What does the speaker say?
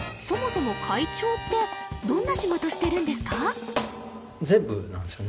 そもそも会長ってどんな仕事してるんですか？